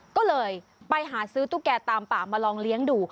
ก็เลยไปหาซื้อตุ๊กแก่ตามป่ามาลองเลี้ยงดู